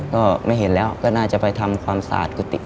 ก็ไม่เห็นแล้วก็น่าจะไปทำความสะอาดกุฏิ